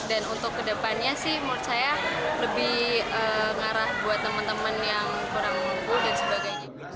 dan untuk kedepannya sih menurut saya lebih mengarah buat teman teman yang kurang mampu dan sebagainya